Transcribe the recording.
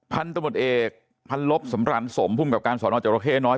พันธุ์ตมติเอกพันธุ์ลบสำรรรค์สมภูมิกับการสอนอาจารย์เจาะเคน้อย